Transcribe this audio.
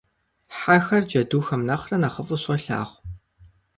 Хьэхэр джэдухэм нэхърэ нэхъыфӀу солъагъу.